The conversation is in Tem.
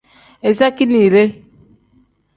Iza keeniire.